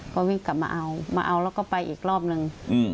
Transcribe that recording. ก็วิ่งกลับมาเอามาเอาแล้วก็ไปอีกรอบนึง